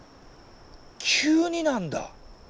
急になんだ！